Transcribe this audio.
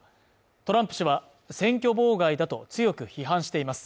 トランプ氏は選挙妨害だと強く批判しています。